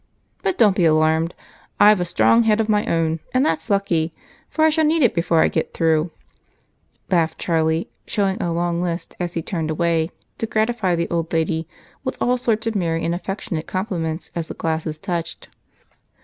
But don't be alarmed I've a strong head of my own, and that's lucky, for I shall need it before I get through," laughed Charlie, showing a long list as he turned away to gratify the old lady with all sorts of merry and affectionate compliments as the glasses touched.